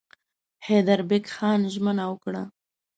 حیدربېګ خان ژمنه وکړه.